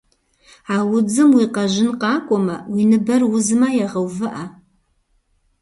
А удзым уи къэжьын къакӏуэмэ, уи ныбэр узмэ, егъэувыӏэ.